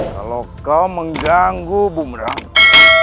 kalau kau mengganggu bumerangku